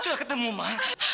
sudah ketemu mak